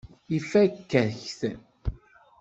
Ifakk-ak-t.